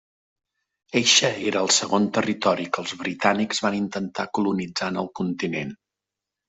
Eixe era el segon territori que els britànics van intentar colonitzar en el continent.